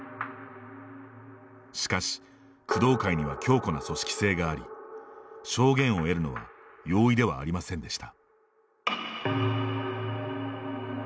しかし、工藤会には強固な組織性があり証言を得るのは容易ではありませんでした。